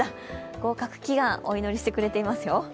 合格祈願、お祈りしてくれていますよ。